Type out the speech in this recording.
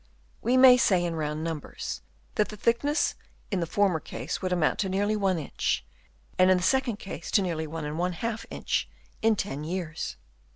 We may say in round numbers that the thickness in the former case would amount to nearly 1 inch, and in the second case to nearly 1J inch in 10 years.